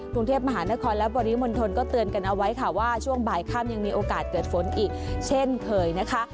กรุงเทพมหานครและปริมณฑลก็เตือนกันเอาไว้ค่ะว่าช่วงบ่ายค่ำยังมีโอกาสเกิดฝนอีกเช่นเคยนะคะ